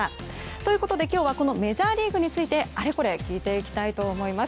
ということで今日はメジャーリーグについてあれこれ聞いていきたいと思います。